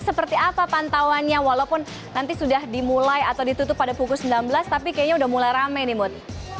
seperti apa pantauannya walaupun nanti sudah dimulai atau ditutup pada pukul sembilan belas tapi kayaknya udah mulai rame nih mut